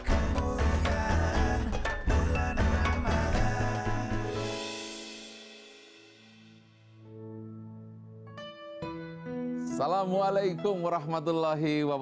assalamualaikum wr wb